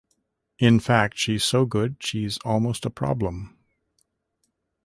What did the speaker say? In fact, she's so good she's almost a problem.